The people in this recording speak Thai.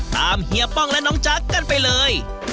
เฮียป้องและน้องจ๊ะกันไปเลย